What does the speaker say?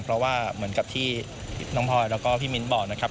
เพราะว่าเหมือนกับที่น้องพลอยแล้วก็พี่มิ้นบอกนะครับ